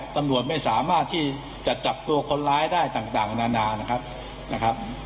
ตำรวจไม่สามารถที่จะจับตัวคนร้ายได้ต่างนานานะครับ